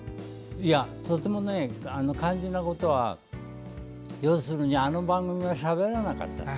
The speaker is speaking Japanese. とても肝心なことは要するにあの番組はしゃべらなかった。